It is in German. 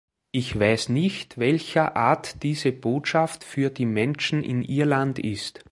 Ich weiß nicht, welcher Art diese Botschaft für die Menschen in Irland ist.